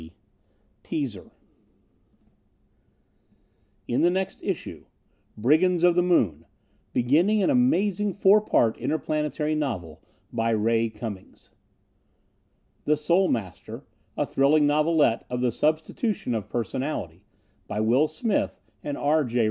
IN THE NEXT ISSUE BRIGANDS OF THE MOON Beginning an Amazing Four part Interplanetary Novel By RAY CUMMINGS THE SOUL MASTER A Thrilling Novelette of the Substitution of Personality By WILL SMITH and R. J.